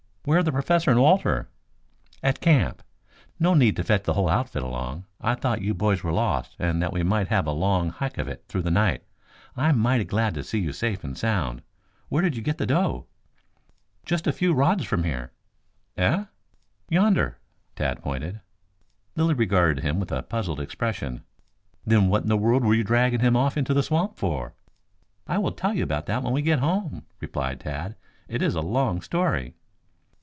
Where are the Professor and Walter?" "At the camp. No need to fetch the whole outfit along. I thought you boys were lost, and that we might have a long hike of it through the night. I am mighty glad to see you safe and sound. Where did you get the doe?" "Just a few rods from here." "Eh?" "Yonder." Tad pointed. Lilly regarded him with a puzzled expression. "Then what in the world were you dragging him off into the swamp for?" "I will tell you about that when we get home," replied Tad. "It is a long story."